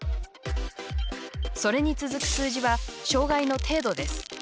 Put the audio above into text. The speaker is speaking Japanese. それに続く数字は障がいの程度です。